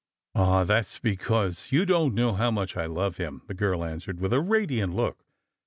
" Ah, that's because you don't know how much I love him," the girl answered, with a radiant look.